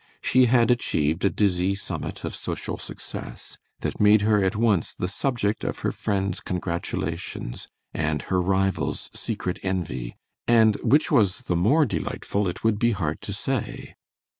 She had achieved a dizzy summit of social success that made her at once the subject of her friends' congratulations and her rivals' secret envy, and which was the more delightful it would be hard to say.